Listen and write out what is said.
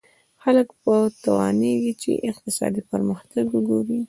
خلک به وتوانېږي چې اقتصادي پرمختګ وګوري.